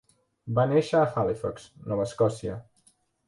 Va néixer a Halifax, Nova Escòcia.